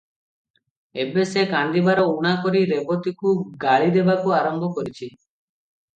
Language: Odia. ଏବେ ସେ କାନ୍ଦିବାର ଊଣା କରି ରେବତୀକୁ ଗାଳି ଦେବାକୁ ଆରମ୍ଭ କରିଛି ।